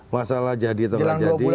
masalah jadi atau nggak jadi